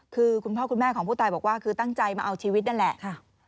คือคุณพ่อคุณแม่ของผู้ตายบอกว่าคือตั้งใจมาเอาชีวิตนั่นแหละ